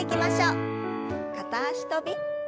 片脚跳び。